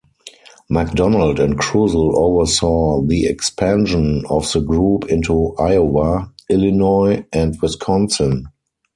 McDonald and Kruzel oversaw the expansion of the group into Iowa, Illinois, and Wisconsin.